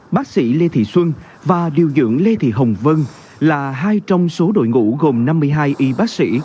bác sĩ lê thị xuân và điều dưỡng lê thị hồng vân là hai trong số đội ngũ gồm năm mươi hai y bác sĩ